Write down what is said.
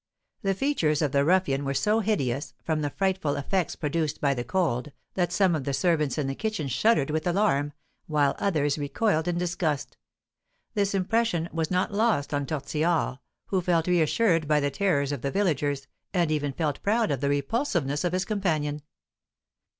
The features of the ruffian were so hideous, from the frightful effects produced by the cold, that some of the servants in the kitchen shuddered with alarm, while others recoiled in disgust; this impression was not lost on Tortillard, who felt reassured by the terrors of the villagers, and even felt proud of the repulsiveness of his companion.